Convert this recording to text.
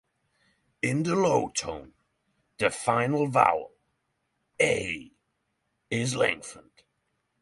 In the low tone, the final vowel "a" is lengthened.